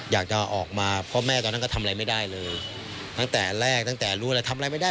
อยากจะออกมาเพราะแม่ตอนนั้นก็ทำอะไรไม่ได้เลย